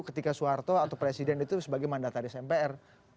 ketika soeharto atau presiden itu sebagai mandataris mpr